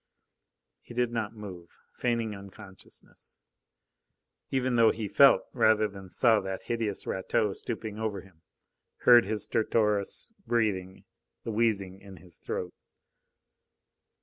He did not move, feigning unconsciousness, even though he felt rather than saw that hideous Rateau stooping over him, heard his stertorous breathing, the wheezing in his throat.